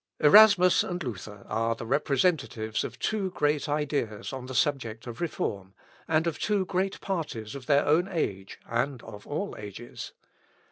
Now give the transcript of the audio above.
Erasmus and Luther are the representatives of two great ideas on the subject of reform, and of two great parties of their own age, and of all ages.